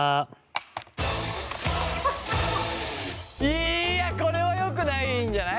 いやこれはよくないんじゃない？